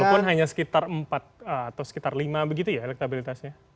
walaupun hanya sekitar empat atau sekitar lima begitu ya elektabilitasnya